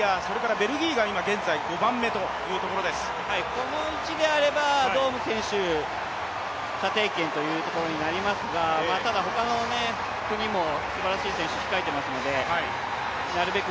この位置であれば、ドーム選手、射程圏というところになりますがただ他の国もすばらしい選手控えていますのでなるべく